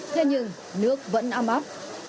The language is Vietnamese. thế nhưng nước vẫn ấm ấp